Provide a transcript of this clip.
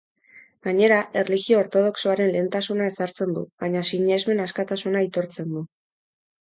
Gainera, erlijio ortodoxoaren lehentasuna ezartzen du, baina sinesmen askatasuna aitortzen du.